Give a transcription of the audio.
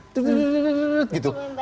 itu membayangkan sempowa